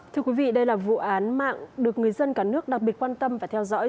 thưa quý vị đây là vụ án mạng được người dân cả nước đặc biệt quan tâm và theo dõi